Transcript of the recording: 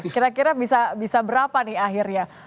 kira kira bisa berapa nih akhirnya